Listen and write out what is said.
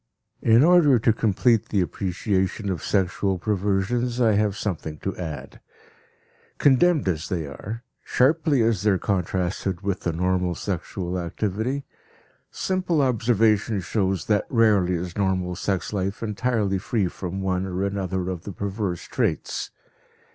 In order to complete the appreciation of sexual perversions, I have something to add. Condemned as they are, sharply as they are contrasted with the normal sexual activity, simple observation shows that rarely is normal sex life entirely free from one or another of the perverse traits.